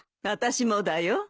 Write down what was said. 私もだよ。